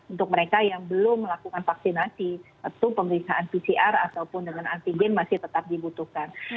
untuk mereka yang belum melakukan vaksinasi tentu pemeriksaan pcr ataupun dengan antigen masih tetap dibutuhkan